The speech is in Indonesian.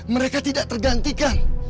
mereka tidak tergantikan